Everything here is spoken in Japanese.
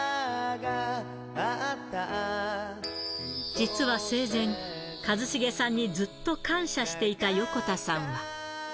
実は生前、一茂さんにずっと感謝していた横田さんは。